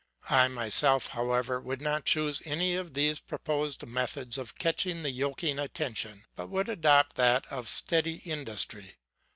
I myself, however, would not choose any of these proposed methods of catch ing and yoking attention, but would adopt that of steady industry.